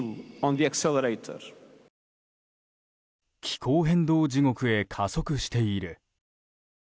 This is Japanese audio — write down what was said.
気候変動地獄へ加速している。